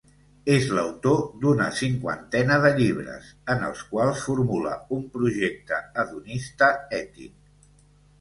És l'autor d'una cinquantena de llibres, en els quals formula un projecte hedonista ètic.